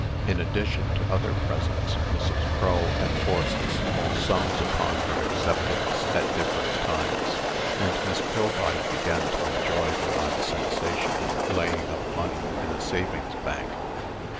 In addition to other presents, Mrs. Crull had forced small sums upon her acceptance, at different times; and Miss Pillbody began to enjoy the odd sensation of laying up money in a savings bank.